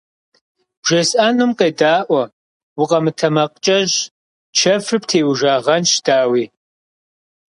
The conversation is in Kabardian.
БжесӀэнум къедаӀуэ, укъэмытэмакъкӀэщӀ, чэфыр птеужагъэнщ, дауи.